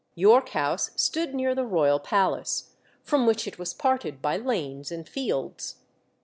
York House stood near the royal palace, from which it was parted by lanes and fields.